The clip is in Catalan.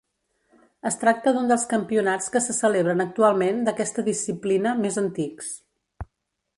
Es tracta d'un dels campionats que se celebren actualment d'aquesta disciplina més antics.